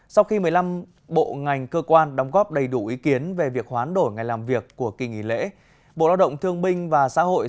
sau khi một mươi năm bộ ngành cơ quan đóng góp đầy đủ ý kiến về việc hoán đổi ngày làm việc của kỳ nghỉ lễ bộ lao động thương binh và xã hội